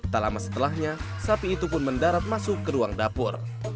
tak lama setelahnya sapi itu pun mendarat masuk ke ruang dapur